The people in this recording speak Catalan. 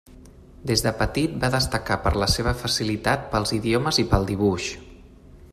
Des de petit va destacar per la seva facilitat pels idiomes i pel dibuix.